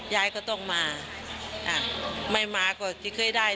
ยายก็ต้องมาไม่มาก็จะเคยได้